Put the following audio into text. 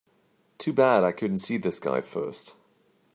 Too bad I couldn't see this guy first.